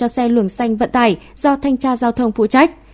một làn dành cho xe luồng xanh vận tải do thanh tra giao thông phụ trách